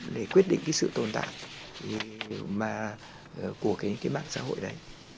để quyết định sự tồn tại của mạng xã hội đấy